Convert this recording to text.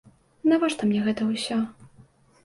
Навошта мне гэта ўсё?